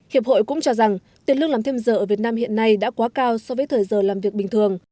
hiệp hội cũng cho rằng tiền lương làm thêm giờ ở việt nam hiện nay đã quá cao so với thời giờ làm việc bình thường